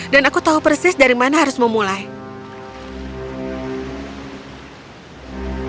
dan aku tahu persis dari mana harus berjalan ke sana